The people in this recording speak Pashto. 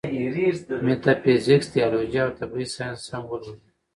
ميټافزکس ، تيالوجي او طبعي سائنس هم ولولي